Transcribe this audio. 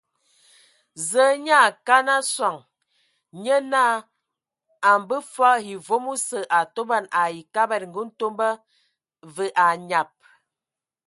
Zǝǝ nyaa a kana sɔŋ, nye naa a mbaa fɔɔ e vom osǝ a atoban ai Kabad ngǝ Ntomba, və anyab.